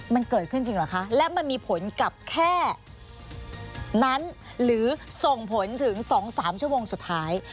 มันเกิดขึ้นจริงเหรอคะและมันมีผลกับแค่นั้นหรือส่งผลถึง๒๓ชั่วโมงสุดท้าย